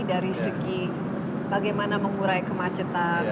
dari segi bagaimana mengurai kemacetan